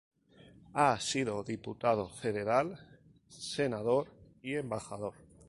Ha sido Diputado Federal, Senador y Embajador.